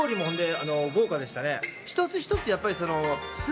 一つ一つやっぱり。